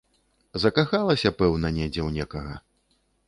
Закахалася, пэўна, недзе ў некага.